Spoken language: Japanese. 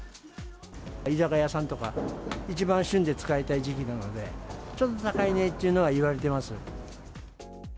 居酒屋さんとか、一番旬で使いたい時期なので、ちょっと高いねっていうのは言われてます。